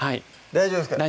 大丈夫ですか？